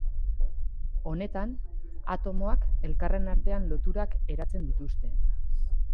Honetan, atomoak elkarren artean loturak eratzen dituzte.